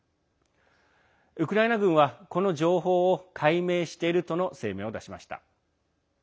ウクライナ軍はこの情報を解明しているとの声明を出しました。